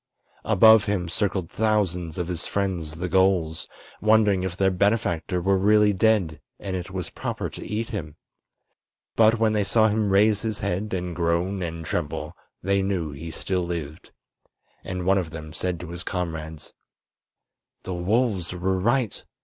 Above him circled thousands of his friends the gulls, wondering if their benefactor were really dead and it was proper to eat him. But when they saw him raise his head and groan and tremble they knew he still lived, and one of them said to his comrades: "The wolves were right.